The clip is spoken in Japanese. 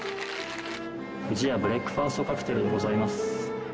富士屋ブレックファーストカクテルでございます。